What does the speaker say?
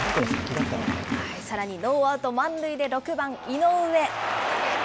さらにノーアウト満塁で６番井上。